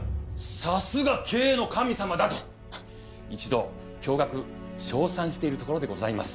さすが経営の神様だと一同驚愕称賛しているところでございます